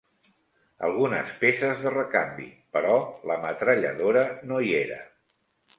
Algunes peces de recanvi, però la metralladora no hi era.